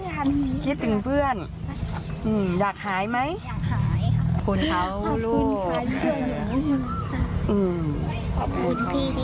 จะฝากอะไรถึงแตงโมหรือถึงใครไหมจำได้ไหม